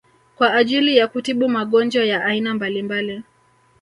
kwa ajili ya kutibu magonjwa ya aina mbalimbali